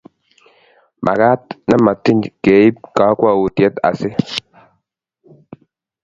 Magat nemo tiny keib kakwautiet asi